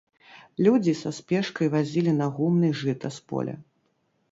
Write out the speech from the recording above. Людзі са спешкай вазілі на гумны жыта з поля.